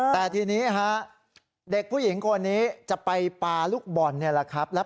แต่ทีนี้ฮะเด็กผู้หญิงคนนี้จะไปปลาลูกบอลนี่แหละครับ